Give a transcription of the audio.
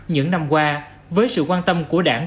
những năm qua với sự quan tâm của đảng